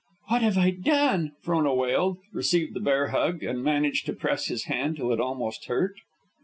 "What have I done?" Frona wailed, received the bear hug, and managed to press his hand till it almost hurt.